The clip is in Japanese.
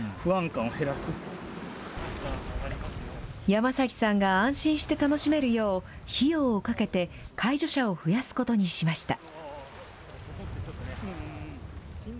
山崎さんが安心して楽しめるよう、費用をかけて介助者を増やすことにしました。